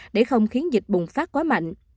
để không khiến dịch bùng phát quá mạnh